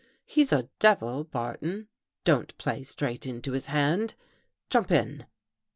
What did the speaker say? He's a devil, Barton. Don't play straight into his hand. Jump in."